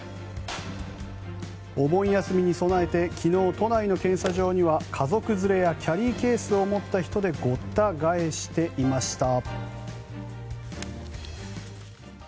お盆休みに備えて昨日、都内の検査場には家族連れやキャリーケースを持った人でごった返していました。